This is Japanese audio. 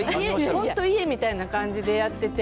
本当、家みたいな感じでやってて。